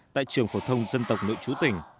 tại trường phổ thông dân tộc nội chú tỉnh